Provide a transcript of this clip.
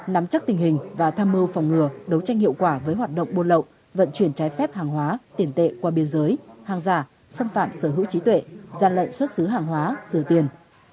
nắm chắc tình hình và tham mưu phòng ngừa đấu tranh hiệu quả với hoạt động buôn lậu vận chuyển trái phép hàng hóa tiền tệ qua biên giới hàng giả xâm phạm sở hữu trí tuệ gian lận xuất xứ hàng hóa rửa tiền